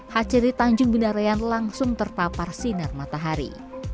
hatchery tanjung binarean langsung terpapar sinar matahari